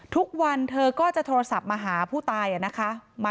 ทุกวันเธอก็จะโทรศัพท์มาหาผู้ตายนะคะ